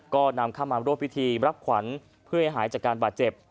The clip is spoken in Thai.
ก็นำเข้ามาร่วมพิธีรับขวัญเพื่อให้หายจากการบาดเจ็บ